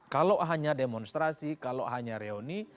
kalau hanya demonstrasi kalau hanya reuni